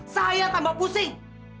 saya tambah pusing